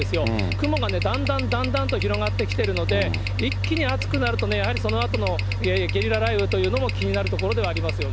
雲がだんだんだんだんと広がってきてるので、一気に暑くなるとね、やはりそのあとのゲリラ雷雨というのも気になるところではありますよね。